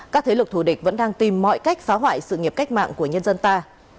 các thế lực thù địch vẫn đang tìm mọi cách phá hoại sự nghiệp cách mạng của nhân dân ta